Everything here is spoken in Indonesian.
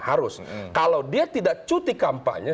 harus kalau dia tidak cuti kampanye